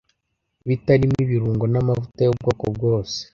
bitarimo ibirungo n’amavuta y’ubwoko bwose,